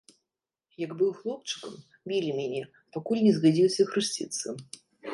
Як быў хлопчыкам, білі мяне, пакуль не згадзіўся хрысціцца.